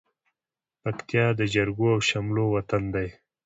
پکتيا د جرګو او شملو وطن دى.